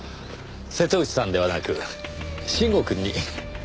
瀬戸内さんではなく臣吾くんに。